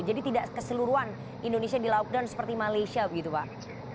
jadi tidak keseluruhan indonesia di lockdown seperti malaysia begitu pak